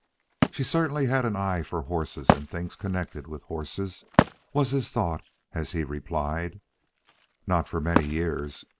She certainly had an eye for horses and things connected with horses was his thought, as he replied: "Not for many years.